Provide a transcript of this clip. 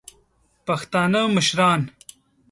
پښتانه مشران